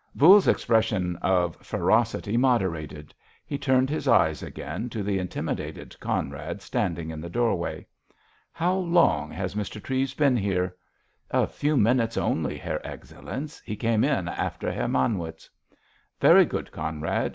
Voules's expression of ferocity moderated; he turned his eyes again to the intimidated Conrad standing in the doorway. "How long has Mr. Treves been here?" "A few minutes only, Herr Excellenz. He came in after Herr Manwitz." "Very good, Conrad!